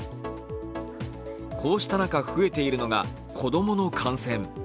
こうした中増えているのが子供の感染。